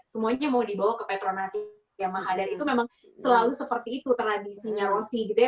semuanya mau dibawa ke petronasi yamaha dan itu memang selalu seperti itu tradisinya rosi gitu ya